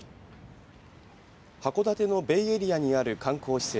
函館のベイエリアにある観光施設